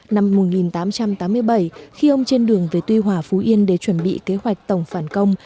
năm một nghìn tám trăm tám mươi bảy khi ông trên đường về tuy hòa phú yên để chuẩn bị kế hoạch tổng phản công